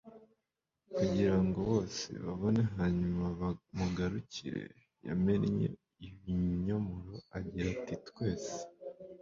kugirango bose babone hanyuma bamugarukire. yamennye ibinyomoro agira ati twese